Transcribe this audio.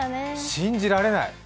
信じられない。